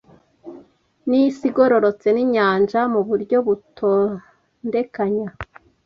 nisi igororotse ninyanja muburyo butondekanya